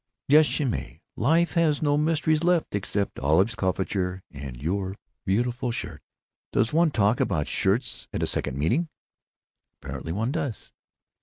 "Yes, you may. Life has no mysteries left except Olive's coiffure and your beautiful shirt.... Does one talk about shirts at a second meeting?" "Apparently one does."